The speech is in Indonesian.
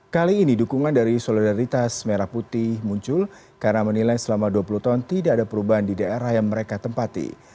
kali ini dukungan dari solidaritas merah putih muncul karena menilai selama dua puluh tahun tidak ada perubahan di daerah yang mereka tempati